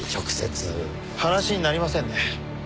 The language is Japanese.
話になりませんね。